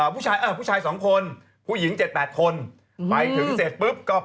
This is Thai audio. ผู้ชายผู้ชาย๒คนผู้หญิง๗๘คนไปถึงเสร็จปุ๊บก็